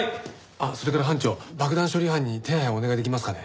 あっそれから班長爆弾処理班に手配をお願いできますかね？